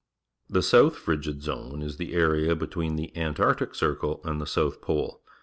The South F rigid Zoii§, is the area between the Antarctic Circle and the south pole.